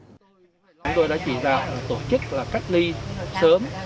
chúng tôi đã chỉ ra tổ chức cách ly sớm